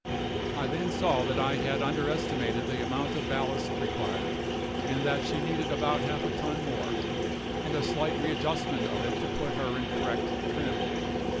I then saw that I had underestimated the amount of ballast required, and that she needed about half a ton more, and a slight readjustment of it to put her in correct trim.